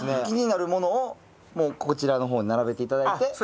気になるものをこちらのほうに並べていただいて。